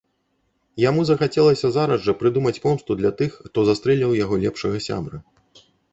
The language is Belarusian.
Яму захацелася зараз жа прыдумаць помсту для тых, хто застрэліў яго лепшага сябра.